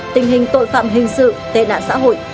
tình hình tội phạm hình sự tệ nạn xã hội